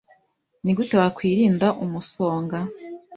Ni gute wakwirinda umusonga?